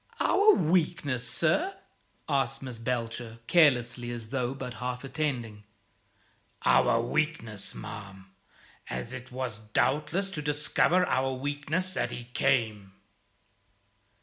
"Our weakness, sir?" asked Miss Belcher, carelessly, as though but half attending. "Our weakness, ma'am; as it was doubtless to discover our weakness that he came."